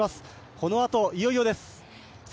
このあといよいよです！